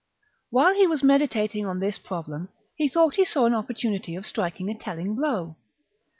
While he was meditating on this problem, He discerns he thought he saw an opportunity of striking a striking an telling blow.